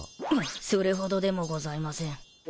それほどでもございません。